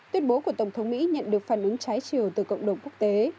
tuyên bố của tổng thống mỹ nhận được phản ứng trái chiều từ cộng đồng quốc tế